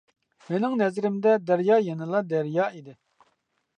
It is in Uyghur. مېنىڭ نەزىرىمدە، دەريا يەنىلا دەريا ئىدى.